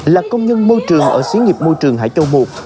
là công nhân môi trường ở xí nghiệp môi trường hải châu một